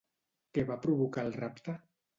Què va provocar el rapte?